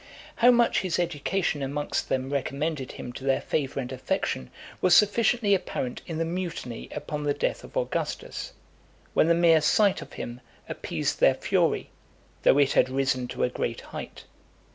How much his education amongst them recommended him to their favour and affection, was sufficiently apparent in the mutiny upon the death of Augustus, when the mere sight of him appeased their fury, though it had risen to a great height.